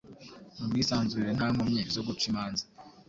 mubwianzure nta nkomyi, zo guca imanza